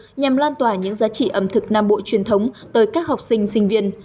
và tuổi thơ nhằm lan tỏa những giá trị ẩm thực nam bộ truyền thống tới các học sinh sinh viên